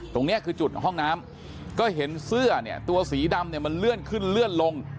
ตรงนี้คือจุดห้องน้ำก็เห็นเสื้อเนี่ยตัวสีดำเนี่ยมันเลื่อนขึ้นเลื่อนลง